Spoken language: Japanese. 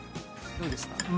どうですか？